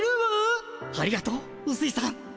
ありがとううすいさん。